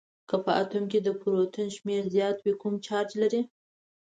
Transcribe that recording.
که په اتوم کې د پروتون شمیر زیات وي کوم چارج لري؟